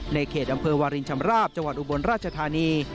ในเขตอำเภอวารินชำราบจังหวัดอุบลราชธานี